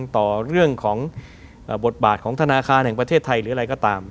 ต่อเรื่องของบทบาทของธนาคารแห่งประเทศไทยหรืออะไรก็ตาม